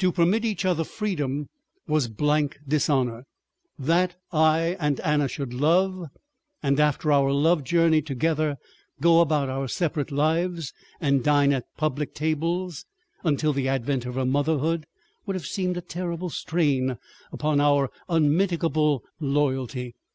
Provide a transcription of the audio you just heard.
To permit each other freedom was blank dishonor. That I and Anna should love, and after our love journey together, go about our separate lives and dine at the public tables, until the advent of her motherhood, would have seemed a terrible strain upon our unmitigable loyalty.